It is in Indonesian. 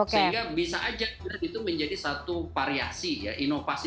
sehingga bisa aja itu menjadi satu variasi ya inovasi